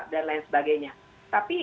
dan lain sebagainya tapi